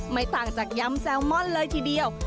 ไม่ต่างจากยำแซลมอนเลยทีเดียว